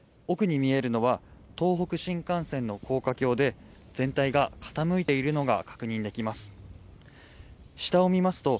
奥に見えるのは東北新幹線の高架橋で全体が傾いているのが確認できます。